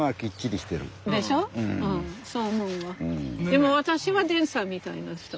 でも私はデンさんみたいな人。